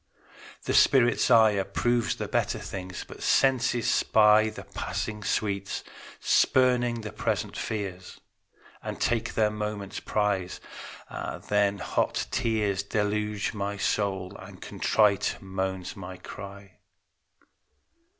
The spirit's eye Approves the better things; but senses spy The passing sweets, spurning the present fears, And take their moment's prize. Ah, then hot tears Deluge my soul, and contrite moans my cry!